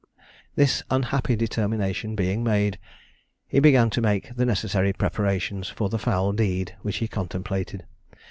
This unhappy determination being made, he began to make the necessary preparations for the foul deed which he contemplated.